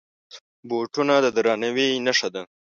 بوټونه د درناوي نښه ده.